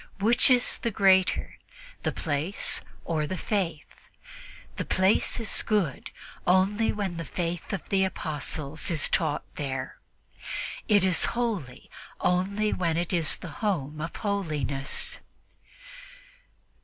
Which is the greater, the place or the Faith? The place is good only when the Faith of the Apostles is taught there; it is holy only when it is the home of holiness."